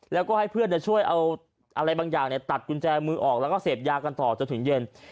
แล้วก็ให้เพื่อนช่วยเอาอะไรบางอย่างตัดกุญแจมือออกแล้วก็เสพยากันต่อจนถึงเย็น